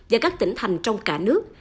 và các tỉnh thành trong cả nước